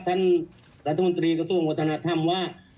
ท่านรัฐมนตรีกระทรวงวัฒนธรรมว่า